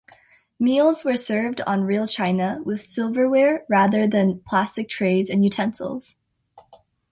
Meals were served on real china, with silverware, rather than plastic trays and utensils.